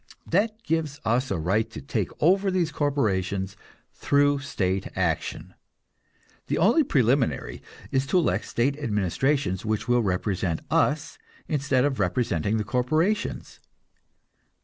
That gives us a right to take over these corporations through state action. The only preliminary is to elect state administrations which will represent us, instead of representing the corporations.